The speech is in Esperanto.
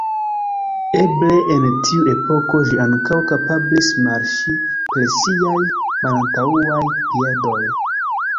Eble en tiu epoko ĝi ankaŭ kapablis marŝi per siaj malantaŭaj piedoj.